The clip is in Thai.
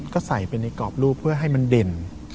ก็ใส่ไปในกรอบรูปเพื่อให้มันเด่น